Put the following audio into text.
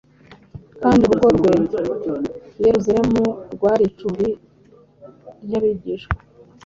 kandi urugo rwe i Yerusalemu rwari icumbi ry’abigishwa.